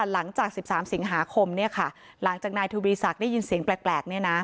หลังจาก๑๓สิงหาคมหลังจากนายทวีศักดิ์ได้ยินเสียงแปลก